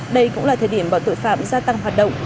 đây cũng là thời điểm bọn tội phạm gia tăng hoạt động